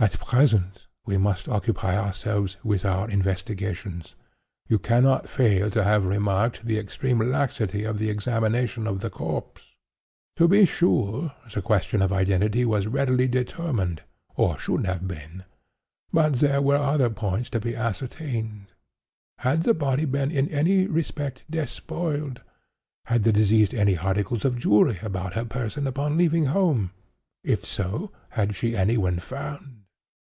"At present we must occupy ourselves with other investigations. You cannot fail to have remarked the extreme laxity of the examination of the corpse. To be sure, the question of identity was readily determined, or should have been; but there were other points to be ascertained. Had the body been in any respect despoiled? Had the deceased any articles of jewelry about her person upon leaving home? if so, had she any when found?